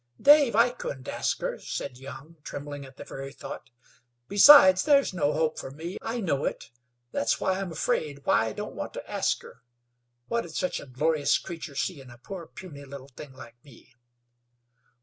"Dave, I couldn't ask her," said Young, trembling at the very thought. "Besides, there's no hope for me. I know it. That's why I'm afraid, why I don't want to ask her. What'd such a glorious creature see in a poor, puny little thing like me?"